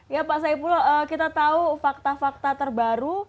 ya pak saipul kita tahu fakta fakta terbaru